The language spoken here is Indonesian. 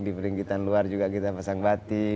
di peringgitan luar juga kita pasang batik